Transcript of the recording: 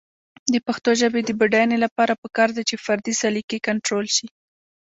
د پښتو ژبې د بډاینې لپاره پکار ده چې فردي سلیقې کنټرول شي.